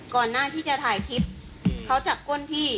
ก่อนหน้าที่จะถ่ายคลิปเขาจับก้นพี่